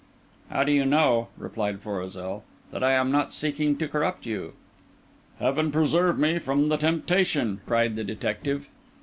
"How do you know," replied Florizel, "that I am not seeking to corrupt you?" "Heaven preserve me from the temptation!" cried the detective.